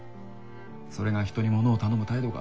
それが人にものを頼む態度か。